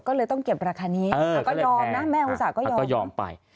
ก็เลยต้องเก็บราคานี้แม่อุตส่าก็ยอม